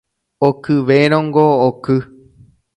Okyvérõngo oky